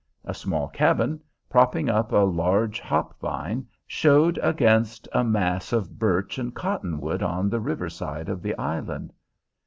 A small cabin, propping up a large hop vine, showed against a mass of birch and cottonwood on the river side of the island.